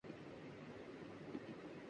کاندھوں پہ غم کی شال ہے اور چاند رات ہ